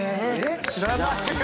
知らないよ。